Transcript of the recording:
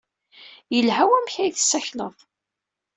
Yelha wamek ay tessakleḍ?